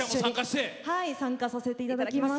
参加させていただきます。